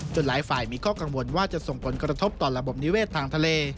หลายฝ่ายมีข้อกังวลว่าจะส่งผลกระทบต่อระบบนิเวศทางทะเล